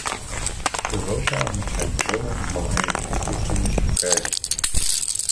Europa moet zijn bronnen van energievoorziening spreiden.